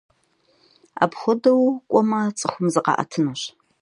Апхуэдэу кӏуэмэ, цӏыхум зыкъаӏэтынущ.